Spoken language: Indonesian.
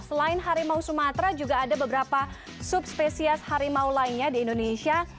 selain harimau sumatera juga ada beberapa subspesies harimau lainnya di indonesia